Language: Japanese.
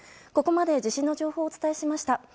ここまで地震の情報をお伝えしました。